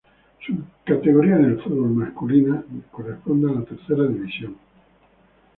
Su categoría en el fútbol masculina corresponde a la Tercera división.